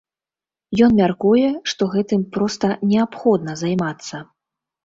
Ён мяркуе, што гэтым проста неабходна займацца.